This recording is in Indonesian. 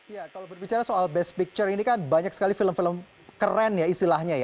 ya kalau berbicara soal best picture ini kan banyak sekali film film keren ya istilahnya ya